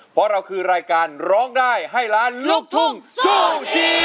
เพราะเราคือรายการร้องได้ให้ล้านลูกทุ่งสู้ชีวิต